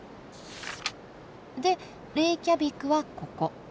でレイキャビクはここ。